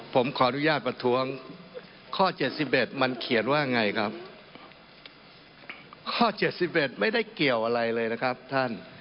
ผมขออนุญาตประท้วงข้อเจ็ดสิบเอ็ดมันเขียนว่าไงครับข้อเจ็ดสิบเอ็ดไม่ได้เกี่ยวอะไรเลยนะครับท่าน